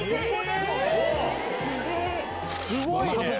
すごいね。